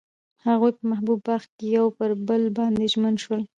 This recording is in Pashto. هغوی په محبوب باغ کې پر بل باندې ژمن شول.